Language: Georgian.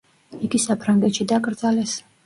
იგი საფრანგეთში დაკრძალეს.